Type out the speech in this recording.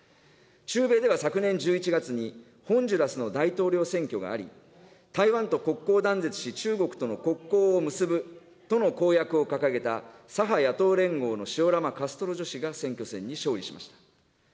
中米では昨年１１月に、ホンジュラスの大統領選挙があり、台湾と国交断絶し、中国との国交を結ぶとの公約を掲げた、左派野党連合のシオラマ・カストロ女史が選挙戦に勝利しました。